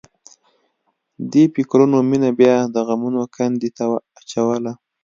دې فکرونو مينه بیا د غمونو کندې ته اچوله